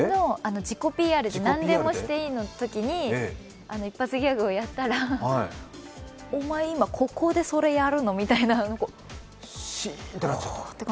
自己ＰＲで何でもしていいときに一発ギャグをやったらお前、今、ここでそれやるの？みたいなシーンとなっちゃった。